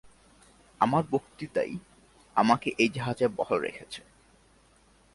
আমার বক্তৃতাই আমাকে এই জাহাজে বহাল রেখেছে।